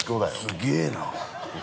◆すげえな。